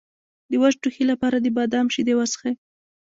د وچ ټوخي لپاره د بادام شیدې وڅښئ